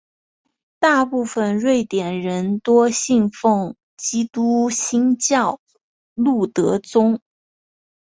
大部分瑞典人多信奉基督新教路德宗。